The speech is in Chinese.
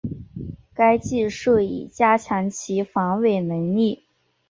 该技术亦加强其防伪能力。